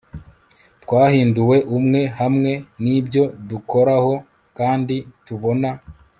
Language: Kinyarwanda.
Twahinduwe umwe hamwe nibyo dukoraho kandi tubona